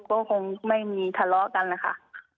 ก็คงไม่มีทะเลาะกันนะคะ